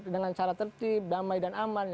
dengan cara tertib damai dan aman